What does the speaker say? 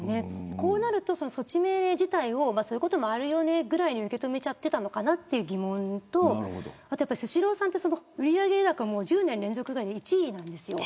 こうなると措置命令自体をそういうこともあるよねぐらいに受け止めていたのかなという疑問とスシローさん売上高も１０年連続で１位なんですよ。